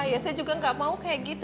ya saya juga gak mau kayak gitu